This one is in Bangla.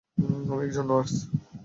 আমি একজন নার্স।